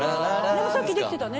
でもさっきできてたね。